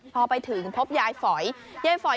พอไปถึงพบยายฝ่อย